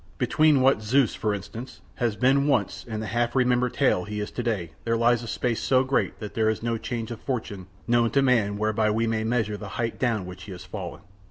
Between what Zeus, for instance, has been once and the half remembered tale he is today there lies a space so great that there is no change of fortune known to man whereby we may measure the height down which he has fallen.